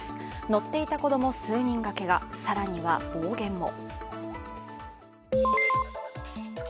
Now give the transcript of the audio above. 乗っていた子供数人がけが更には暴言も。